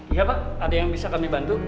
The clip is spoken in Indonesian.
iya pak ada yang bisa kami bantu